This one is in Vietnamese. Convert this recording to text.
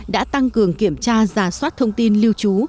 đã tăng cường kiểm tra giả soát thông tin lưu trú